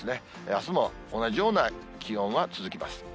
あすも同じような気温は続きます。